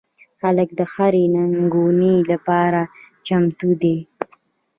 هلک د هرې ننګونې لپاره چمتو دی.